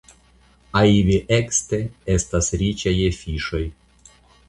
Aiviekste estas riĉa je fiŝoj.